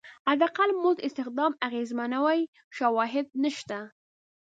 حداقل مزد استخدام اغېزمنوي شواهد نشته.